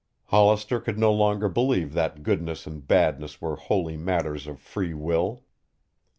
Hollister could no longer believe that goodness and badness were wholly matters of free will.